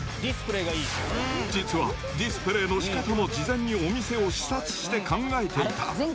実はディスプレーのしかたも事前にお店を視察して考えていた。